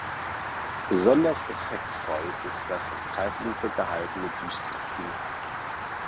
Besonders effektvoll ist das in Zeitlupe gehaltene düstere Finale.